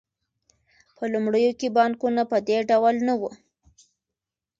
په لومړیو کې بانکونه په دې ډول نه وو